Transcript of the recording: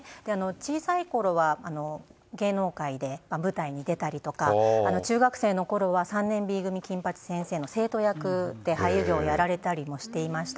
小さいころは芸能界で、舞台に出たりとか、中学生のころは３年Ｂ組金八先生の生徒役で俳優業をやられたりもしていました。